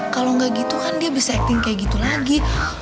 kalau nggak gitu kan dia bisa acting kayak gitu lagi